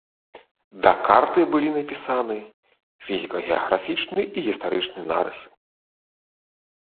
Да карты былі напісаны фізіка-геаграфічны і гістарычны нарысы.